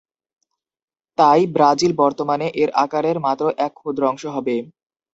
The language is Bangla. তাই, ব্রাজিল বর্তমানে এর আকারের মাত্র এক ক্ষুদ্র অংশ হবে।